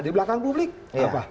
di belakang publik apa